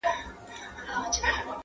!!او د شپېلۍ آواز به غونډي درې وڅيرلې!!